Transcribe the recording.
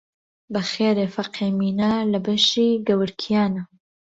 بە خێرێ فەقێ مینە لە بەشی گەورکیانە